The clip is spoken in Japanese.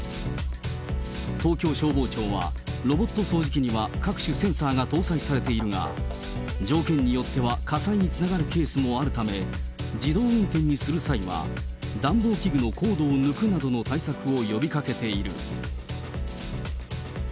東京消防庁はロボット掃除機には各種センサーが搭載されているが、条件によっては火災につながるケースもあるため、自動運転にする際は、暖房器具のコードを抜くなどの対策を呼びかけている。